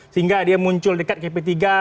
sehingga dia muncul dekat gp tiga